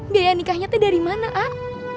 biaya nikahnya tuh dari mana ah